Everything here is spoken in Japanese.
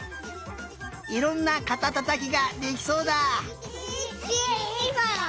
いろんなかたたたきができそうだ。